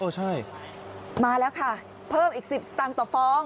ใช่มาแล้วค่ะเพิ่มอีก๑๐สตางค์ต่อฟอง